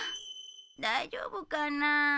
大丈夫かな？